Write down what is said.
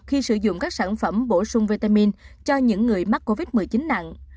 khi sử dụng các sản phẩm bổ sung vitamin cho những người mắc covid một mươi chín nặng